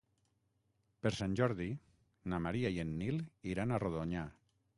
Per Sant Jordi na Maria i en Nil iran a Rodonyà.